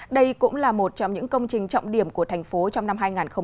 đây cũng là một trong những công trình trọng điểm của thành phố trong năm hai nghìn hai mươi